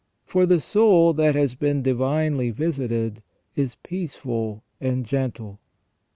For the soul that has been divinely visited is peaceful and gentle."